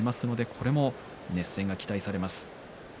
これも熱戦が期待されます。